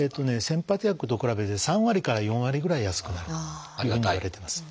先発薬と比べて３割から４割ぐらい安くなるというふうにいわれてます。